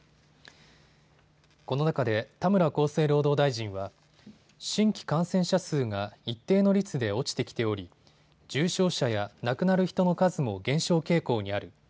この中で田村厚生労働大臣は新規感染者数が一定の率で落ちてきており重症者や亡くなる人の数も減少傾向にある。